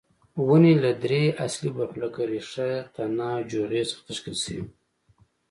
ونې له درې اصلي برخو لکه ریښه، تنه او جوغې څخه تشکیل شوې.